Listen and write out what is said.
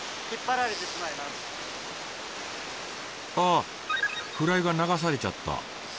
あフライが流されちゃった。